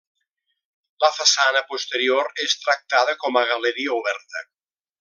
La façana posterior és tractada com a galeria oberta.